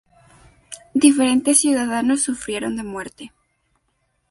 Diferentes ciudadanos sufrieron de muerte.